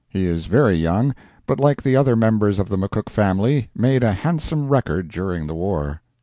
He is very young, but like the other members of the McCook family, made a handsome record during the war.